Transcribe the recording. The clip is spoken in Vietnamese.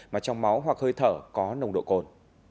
mà trong máu hoặc hơi thở có nồng độ cồn